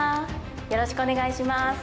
よろしくお願いします。